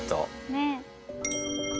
ねえ。